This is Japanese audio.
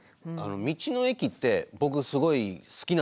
道の駅って僕すごい好きなんですよ。